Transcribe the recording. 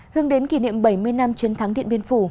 hướng đến kỷ niệm bảy mươi năm chiến thắng điện biên phủ